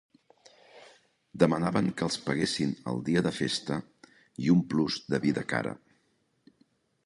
Demanaven que els paguessin el dia de festa i un plus de vida cara.